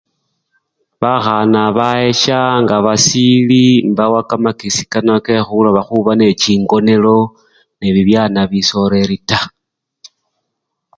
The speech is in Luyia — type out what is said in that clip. Bakhana bayesya nga basili mbawa kamakesi kano kekhuloba khuba nechingonelo nebibyana bisoreri taa.